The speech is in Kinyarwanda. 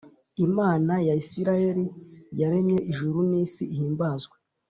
Imana ya isirayeli yaremye ijuru n isi ihimbazwe